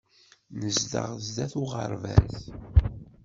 Nezdeɣ sdat uɣerbaz.